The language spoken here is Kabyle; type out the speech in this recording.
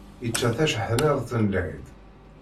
Ičča tajeḥniḍt n lɛid.